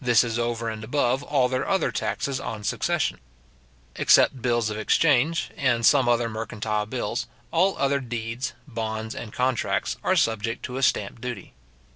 This is over and above all their other taxes on succession. Except bills of exchange, and some other mercantile bills, all other deeds, bonds, and contracts, are subject to a stamp duty.